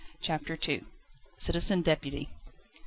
CHAPTER II Citizen Deputy.